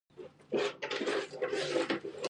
دټولنپېژندې ظریه